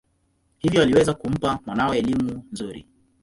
Hivyo aliweza kumpa mwanawe elimu nzuri.